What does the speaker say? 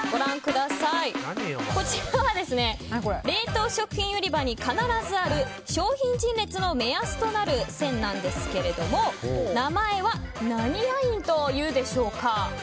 こちらは冷凍食品売り場に必ずある商品陳列の目安となる線なんですけど名前は何ラインというでしょうか？